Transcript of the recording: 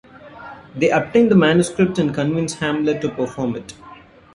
They obtain the manuscript and convince Hamlet to perform it.